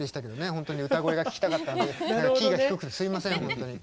本当に歌声が聴きたかったんでキーが低くてすいません本当に。